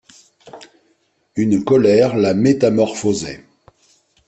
Une colère la métamorphosait.